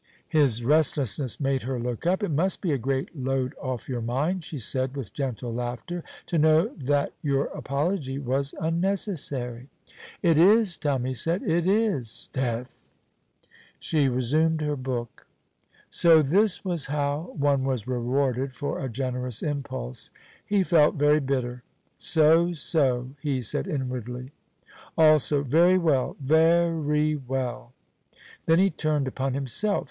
His restlessness made her look up. "It must be a great load off your mind," she said, with gentle laughter, "to know that your apology was unnecessary." "It is," Tommy said; "it is." ('Sdeath!) She resumed her book. So this was how one was rewarded for a generous impulse! He felt very bitter. "So, so," he said inwardly; also, "Very well, ve ry well." Then he turned upon himself.